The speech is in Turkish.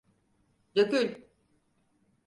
Dökül.